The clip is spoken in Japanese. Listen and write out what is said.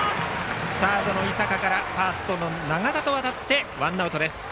サードの井坂からファーストの永田とわたってワンアウトです。